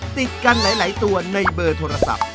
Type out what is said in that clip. ติดกันหลายตัวในเบอร์โทรศัพท์